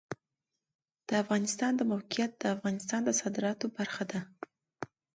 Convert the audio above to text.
د افغانستان د موقعیت د افغانستان د صادراتو برخه ده.